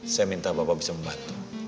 saya minta bapak bisa membantu